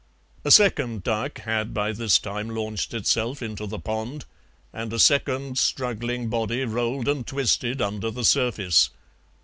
A second duck had by this time launched itself into the pond, and a second struggling body rolled and twisted under the surface.